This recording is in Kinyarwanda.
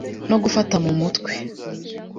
no gufata mu mutwe